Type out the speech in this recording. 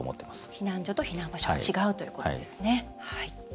避難所と避難場所違うということですね。